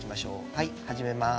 はい始めます。